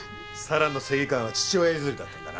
四朗の正義感は父親譲りだったんだな。